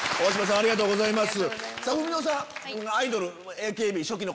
ありがとうございます。